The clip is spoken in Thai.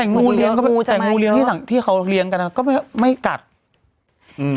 แต่งูเลี้ยก็เป็นงูแต่งูเลี้ยที่สั่งที่เขาเลี้ยงกันอ่ะก็ไม่ไม่กัดอืม